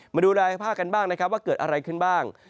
มาดูรายภาคกันบ้างนะครับว่าเกิดอะไรขึ้นบ้าง